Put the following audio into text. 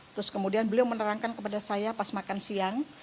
terus kemudian beliau menerangkan kepada saya pas makan siang